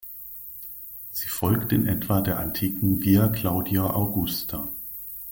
Sie folgt in etwa der antiken Via Claudia Augusta.